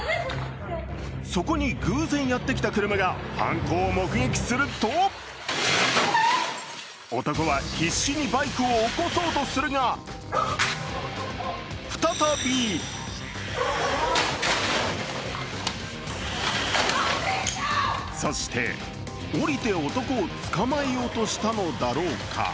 そこに偶然やってきた車が犯行を目撃すると男は必死にバイクを起こそうとするが、再びそして降りて男を捕まえようとしたのだろうか